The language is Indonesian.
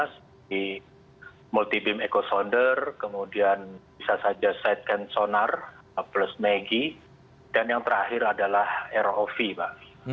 seperti multibim ekosonder kemudian bisa saja side can sonar plus magi dan yang terakhir adalah rov pak